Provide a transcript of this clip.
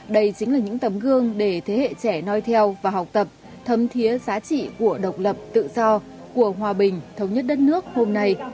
đây chính là những tấm gương để thế hệ trẻ nói theo và học tập thấm thiế giá trị của độc lập tự do của hòa bình thống nhất đất nước hôm nay